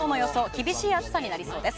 厳しい暑さになりそうです。